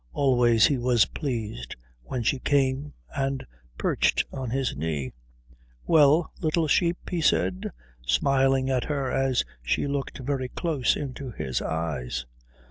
Always he was pleased when she came and perched on his knee. "Well, little sheep?" he said, smiling at her as she looked very close into his eyes.